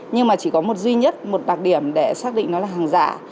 nhưng mà chỉ có một duy nhất một đặc điểm để xác định nó là hàng giả